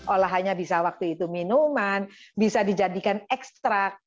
olahannya bisa waktu itu minuman bisa dijadikan ekstrak